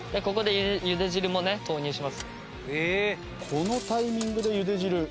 このタイミングで茹で汁。